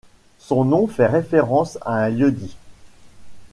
Son nom fait référence à un lieu-dit.